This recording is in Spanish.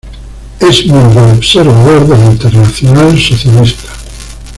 Es miembro observador de la Internacional Socialista.